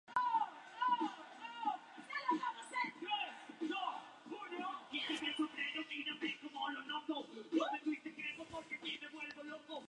Soporta períodos de sequía cortos.